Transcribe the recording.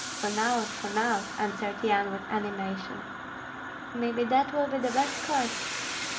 "Who knows, who knows?" answered Yan, with animation. "Maybe that will be the best course."